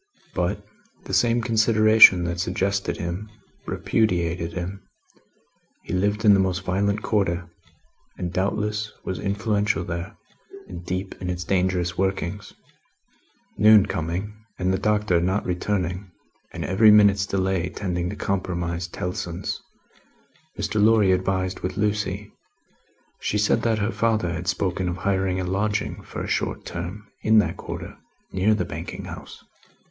But, the same consideration that suggested him, repudiated him; he lived in the most violent Quarter, and doubtless was influential there, and deep in its dangerous workings. Noon coming, and the Doctor not returning, and every minute's delay tending to compromise Tellson's, Mr. Lorry advised with Lucie. She said that her father had spoken of hiring a lodging for a short term, in that Quarter, near the Banking house.